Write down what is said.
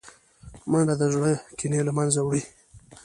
منډه د زړه کینې له منځه وړي